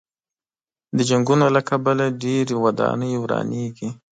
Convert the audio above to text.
د جنګونو له کبله ډېرې ودانۍ ورانېږي.